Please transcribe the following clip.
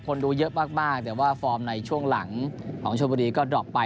คนดูเยอะมากเดี๋ยวว่าฟอร์มในช่วงหลังของชวนบุรีก็ดร็อปไป